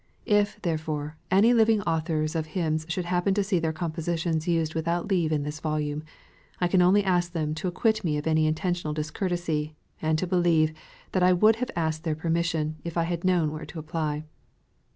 If, therefore, any living authors of hymns should happen to see their compositions used without leave in this volume, I can only ask them to acquit me of any inten tional discourtesy, and to believe, that I would have asked their permission, if I had known where to apply.